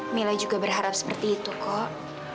mila juga berharap seperti itu kok